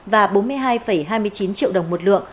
và bốn mươi hai hai mươi chín triệu đồng một lượng